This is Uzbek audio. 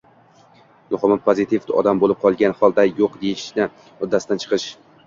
Muhimi — pozitiv odam bo‘lib qolgan holda yo‘q deyishni uddasidan chiqish